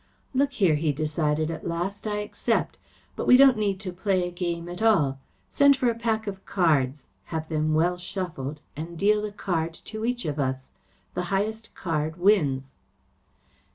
"Look here," he decided at last, "I accept. But we don't need to play a game at all. Send for a pack of cards, have them well shuffled and deal a card to each of us. The highest wins."